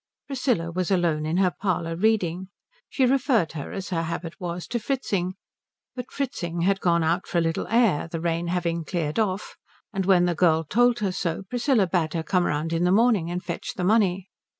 Priscilla was alone in her parlour reading. She referred her, as her habit was, to Fritzing; but Fritzing had gone out for a little air, the rain having cleared off, and when the girl told her so Priscilla bade her come round in the morning and fetch the money.